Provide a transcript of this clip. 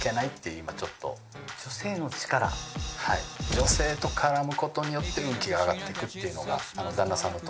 女性と絡むことによって運気が上がってくっていうのが旦那さんの特性としてあるんですよ。